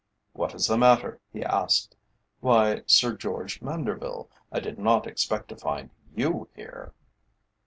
"What is the matter?" he asked. "Why, Sir George Manderville, I did not expect to find you here!"